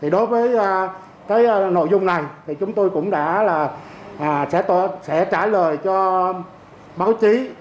đối với nội dung này thì chúng tôi cũng đã trả lời cho báo chí